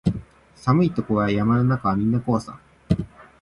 寒いとこや山の中はみんなこうさ